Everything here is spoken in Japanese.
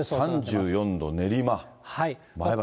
３４度、練馬、前橋。